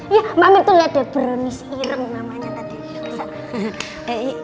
iya mbak mir tuh liat deh berenis ireng namanya tadi